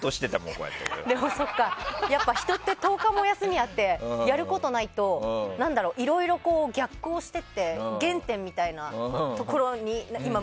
そっか、でも人って１０日も休みがあってやることないといろいろ逆行してって原点みたいなところに。